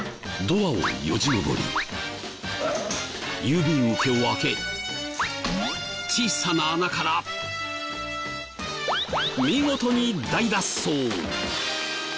ドアをよじ登り郵便受けを開け小さな穴から見事に大脱走！